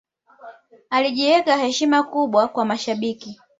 alijiwekea heshima kubwa kwa mashabiki